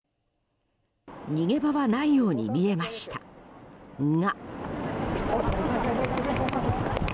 逃げ場はないように見えましたが。